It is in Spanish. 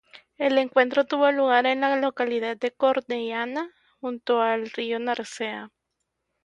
El encuentro tuvo lugar en la localidad de Cornellana, junto al río Narcea.